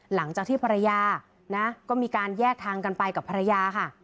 หลังจากที่ภรรยานะก็มีการแยกทางกันไปกับภรรยาค่ะ